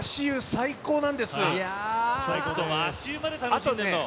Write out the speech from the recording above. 足湯まで楽しんでんの？